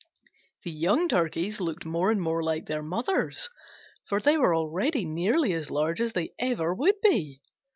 The young Turkeys looked more and more like their mothers, for they were already nearly as large as they ever would be.